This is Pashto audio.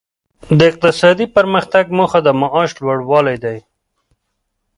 د اقتصادي پرمختګ موخه د معاش لوړوالی دی.